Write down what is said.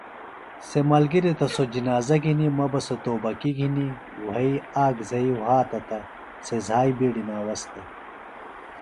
سےۡ ملگِریۡ تہ سوۡ جنازہ گھنیۡ مہ بہ سےۡ توبکیۡ گھنیۡ وھئیۡ آک زھئیۡ وھاتہ تہ سےۡ زھائیۡ بِیڈیۡ ناوس دےۡ